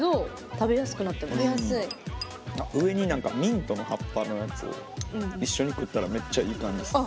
上に何かミントの葉っぱのやつを一緒に食ったらめっちゃいい感じっす。